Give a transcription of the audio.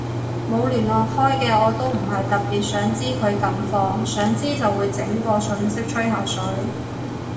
冇聯絡開嘅我都唔係特別想知佢近況，想知就會整個訊息吹下水